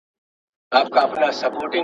انسان باید د سمندرونو ور اخوا سفر وکړي.